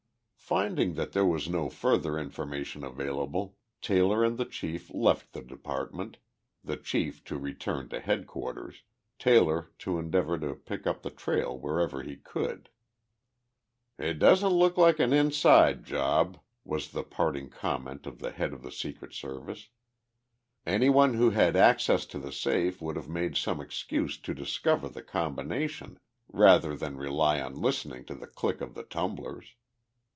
Finding that there was no further information available, Taylor and the chief left the department, the chief to return to headquarters, Taylor to endeavor to pick up the trail wherever he could. "It doesn't look like an inside job," was the parting comment of the head of the Secret Service. "Anyone who had access to the safe would have made some excuse to discover the combination, rather than rely on listening to the click of the tumblers.